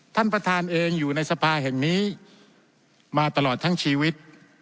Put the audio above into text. ท่านประธานเองอยู่ในสภาแห่งนี้มาตลอดทั้งชีวิต